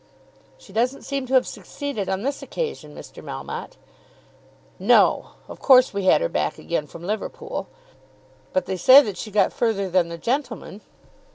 "She doesn't seem to have succeeded on this occasion, Mr. Melmotte." "No; of course we had her back again from Liverpool." "But they say that she got further than the gentleman."